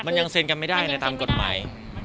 มันยังเซ็นกันไม่ได้ในตามกฎหมาย